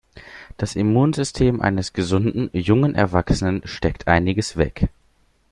Das Immunsystem eines gesunden, jungen Erwachsenen steckt einiges weg.